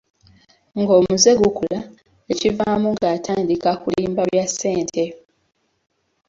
Ng'omuze gukula, ekivaamu ng'atandika kulimba bya ssente.